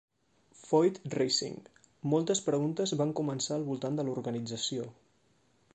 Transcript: Foyt Racing, moltes preguntes van començar al voltant de l'organització.